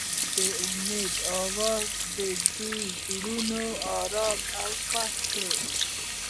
د امید اواز د دوی زړونه ارامه او خوښ کړل.